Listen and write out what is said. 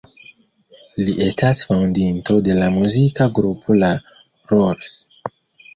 Li estas fondinto de la muzika grupo La Rolls.